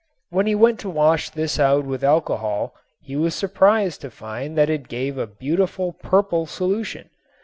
When he went to wash this out with alcohol he was surprised to find that it gave a beautiful purple solution.